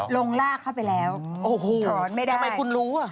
ลงรากเข้าไปแล้วถอนไม่ได้โอ้โหทำไมคุณรู้อ่ะ